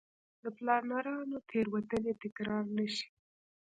د پلانرانو تېروتنې تکرار نه شي.